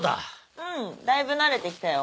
うんだいぶ慣れてきたよ。